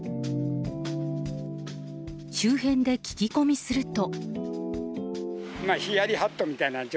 周辺で聞き込みすると。